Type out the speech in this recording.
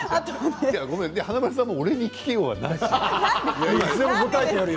華丸さんも俺に聞けよは、ないでしょう。